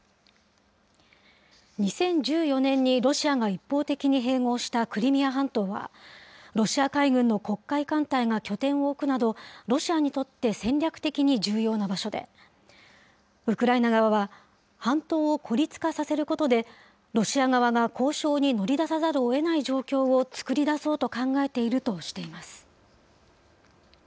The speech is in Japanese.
２０１４年にロシアが一方的に併合したクリミア半島は、ロシア海軍の黒海艦隊が拠点を置くなど、ロシアにとって戦略的に重要な場所で、ウクライナ側は、半島を孤立化させることで、ロシア側が交渉に乗り出さざるをえない状況を作り出そうと考えているとしています。